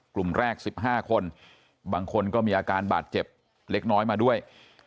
กลุ่มแรก๑๕คนบางคนก็มีอาการบาดเจ็บเล็กน้อยมาด้วย